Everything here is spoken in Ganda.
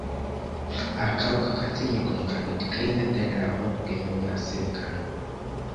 Akawuka ka sennyiga omukambwe tekayina ddagala oba okugemebwa mu kaseera kano.